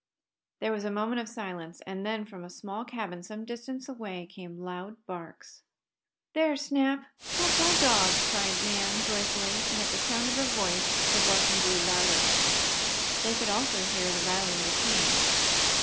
There was a moment of silence, and then, from a small cabin some distance away, came loud barks. "There's Snap! That's our dog!" cried Nan, joyfully, and at the sound of her voice the barking grew louder. There could also be heard the rattling of a chain.